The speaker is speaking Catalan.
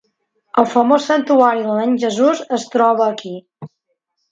El famós santuari del nen Jesús es troba aquí.